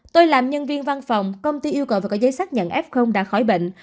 tôi làm nhân viên văn phòng công ty yêu cầu phải có giấy xác nhận f đã khỏi bệnh